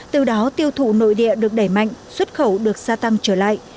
từ đó tiêu thụ nội địa được đẩy mạnh xuất khẩu được gia tăng trở lại